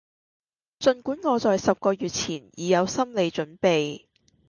盡管我在十個月前已有心理準備